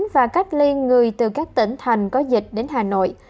và cách ly người từ các tỉnh thành có dịch đến hà nội